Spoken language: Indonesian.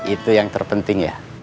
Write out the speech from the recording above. itu yang terpenting ya